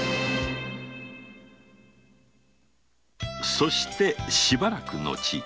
そしてしばらく後